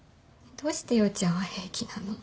どうして陽ちゃんは平気なの？